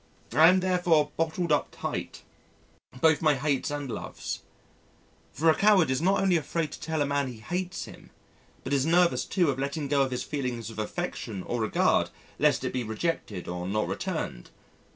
I am therefore bottled up tight both my hates and loves. For a coward is not only afraid to tell a man he hates him, but is nervous too of letting go of his feeling of affection or regard lest it be rejected or not returned.